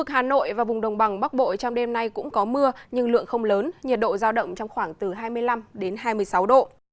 hà nội và vùng đồng bằng bắc bộ trong đêm nay cũng có mưa nhưng lượng không lớn nhiệt độ giao động trong khoảng từ hai mươi năm hai mươi sáu độ